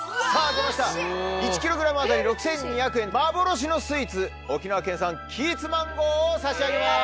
１ｋｇ当たり６２００円幻のスイーツ沖縄県産キーツマンゴーを差し上げます。